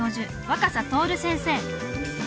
若狭徹先生